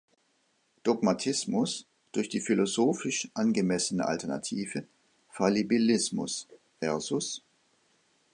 Dogmatismus durch die philosophisch angemessene Alternative Fallibilismus vs.